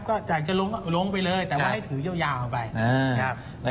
ก็อยากจะลงไปเลยแต่ว่าให้ถือยาวไป